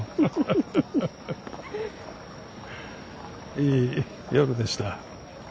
いい夜でした。